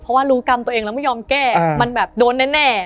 เพราะว่ารู้กรรมตัวเองแล้วไม่ยอมแก้มันแบบโดนแน่